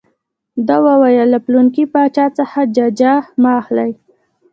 ده وویل له پلانکي باچا څخه ججه مه اخلئ.